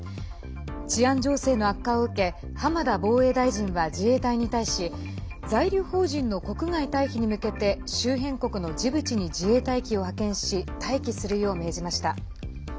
治安情勢の悪化を受け浜田防衛大臣は自衛隊に対し在留邦人の国外退避に向けて周辺国のジブチに自衛隊機を派遣し待機するよう命じました。